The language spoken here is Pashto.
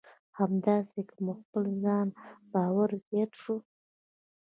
همداسې که مو په خپل ځان باور زیات شو.